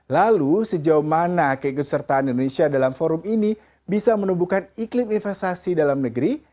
lalu sejauh mana keikutsertaan indonesia dalam forum ini bisa menumbuhkan iklim investasi dalam negeri